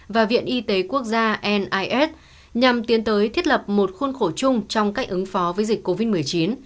và viện y tế quốc gia nis nhằm tiến tới thiết lập một khuôn khổ chung trong cách ứng phó với dịch covid một mươi chín